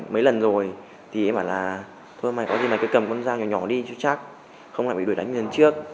mấy lần rồi thì em bảo là thôi mày có gì mày cứ cầm con dao nhỏ nhỏ đi chứ chắc không lại bị đuổi đánh như lần trước